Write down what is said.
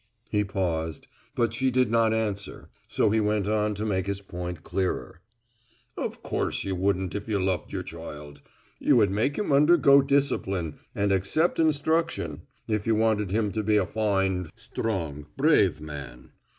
He paused, but she did not answer, so he went on to make his point clearer. "Of course you wouldn't if you loved your child. You would make him undergo discipline and accept instruction, if you wanted him to be a fine, strong, brave man.